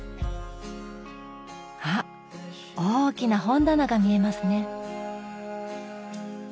あっ大きな本棚が見えますね。